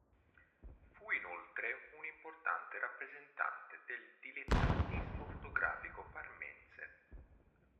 Fu inoltre un importante rappresentante del dilettantismo fotografico parmense.